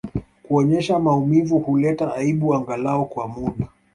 Kuonyesha maumivu huleta aibu angalau kwa muda